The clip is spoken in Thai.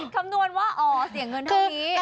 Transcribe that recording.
คำนวณว่าอ๋อเสียเงินเท่านี้